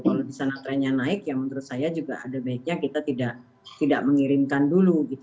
kalau di sana trennya naik ya menurut saya juga ada baiknya kita tidak mengirimkan dulu